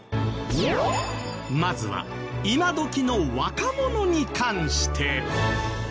まずは今どきの若者に関して。